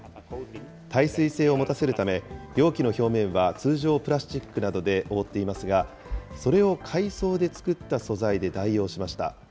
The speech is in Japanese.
耐水性を持たせるため、容器の表面は通常プラスチックなどで覆っていますが、それを海藻で作った素材で代用しました。